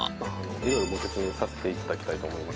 いろいろご説明させていただきたいと思います。